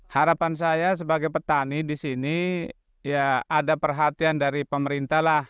harapan saya sebagai petani di sini ya ada perhatian dari pemerintah lah